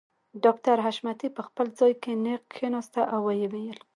ډاکټر حشمتي په خپل ځای کې نېغ کښېناسته او ويې ويل